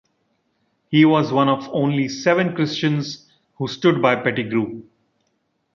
He was one of only seven Christians who stood by Pettigrew.